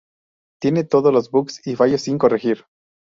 Tiene todos los bugs y fallos sin corregir.